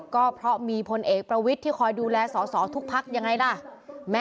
ก็เพราะมีพลเอกประวิทย์ที่คอยดูแลสอสอทุกพักยังไงล่ะ